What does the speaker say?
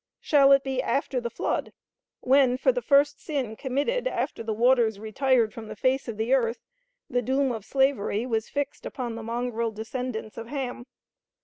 Shall it be after the flood, when, for the first sin committed after the waters retired from the face of the earth, the doom of slavery was fixed upon the mongrel descendants of Ham?